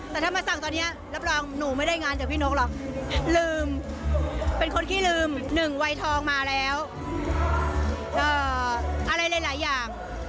แต่ถ้ามาสั่งตอนนี้รับรองหนูไม่ได้งานจากพี่นกหรอกลืมเป็นคนขี้ลืมหนึ่งวัยทองมาแล้วอะไรหลายอย่าง